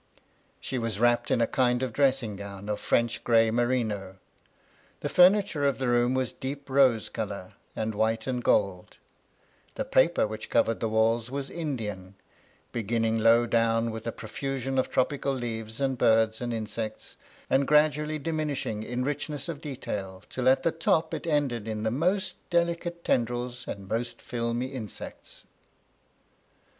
She was wrapped in a kind of dressing gown of French grey merino: the ftumiture of the room was deep rose colour, and white and gold, — the paper which covered the walls was Indian, beginning low down with a profusion of tropical leaves and birds and insects, and gradually diminishing in richness of detail till at the top it ended in the most delicate tendrils and most filmy insects.